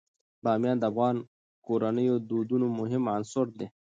بامیان د افغان کورنیو د دودونو مهم عنصر دی.